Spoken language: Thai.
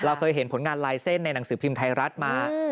เคยเห็นผลงานลายเส้นในหนังสือพิมพ์ไทยรัฐมา